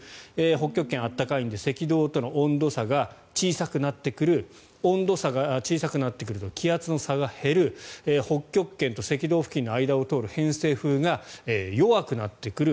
北極圏、暖かいので赤道との温度差が小さくなってくる温度差が小さくなってくると気圧の差が減る北極圏の赤道付近の間を通る偏西風が弱くなってくる。